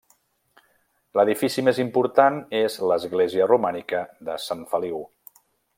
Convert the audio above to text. L'edifici més important és l'església romànica de Sant Feliu.